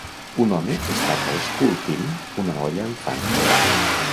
Un home es taca esculpint una olla amb fang